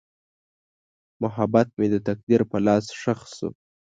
محبت مې د تقدیر په لاس ښخ شو.